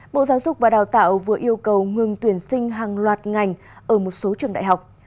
bộ giáo dục và đào tạo vừa yêu cầu ngừng tuyển sinh hàng loạt ngành ở một số trường đại học